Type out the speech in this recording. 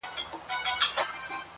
• يوه د ميني زنده گي راوړي.